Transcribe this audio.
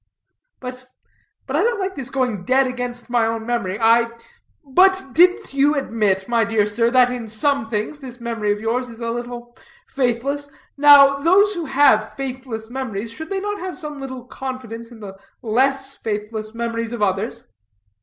"But but I don't like this going dead against my own memory; I " "But didn't you admit, my dear sir, that in some things this memory of yours is a little faithless? Now, those who have faithless memories, should they not have some little confidence in the less faithless memories of others?"